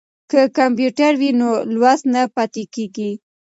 که کمپیوټر وي نو لوست نه پاتې کیږي.